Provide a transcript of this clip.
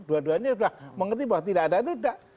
dua duanya sudah mengerti bahwa tidak ada itu tidak